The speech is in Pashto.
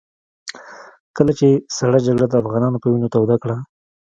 کله چې سړه جګړه د افغانانو په وينو توده کړه.